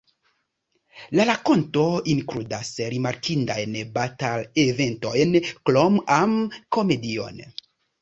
La rakonto inkludas rimarkindajn batal-eventojn krom am-komedion.